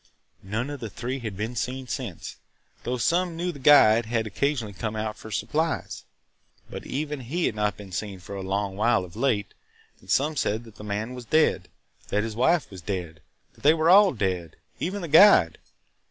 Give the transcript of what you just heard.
None of the three had been seen since, though some knew the guide had occasionally come out for supplies. But even he had not been seen for a long while of late. Some said that the man was dead, that his wife was dead, that they were all dead, even the guide.